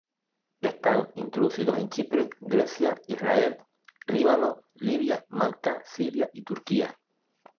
Están introducidos en Chipre, Grecia, Israel, Líbano, Libia, Malta, Siria, y Turquía.